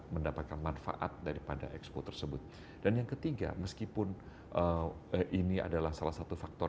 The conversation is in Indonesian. mendapatkan manfaat daripada expo tersebut dan yang ketiga meskipun ini adalah salah satu faktor